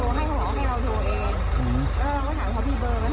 ใช้ลงจากรถนิดเดียวรอไปก่อนนึงนั่นแหละ